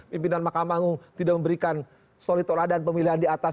pimpinan makam agung tidak memberikan solid tol adaan pemilihan di atas